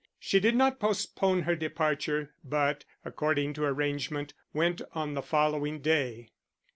She did not postpone her departure, but, according to arrangement, went on the following day.